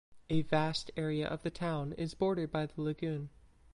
A vast area of the town is bordered by the lagoon.